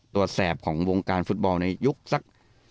แสบของวงการฟุตบอลในยุคสัก